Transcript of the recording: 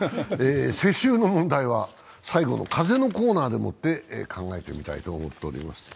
世襲の問題は最後の「風」のコーナーで考えてみたいと思っております。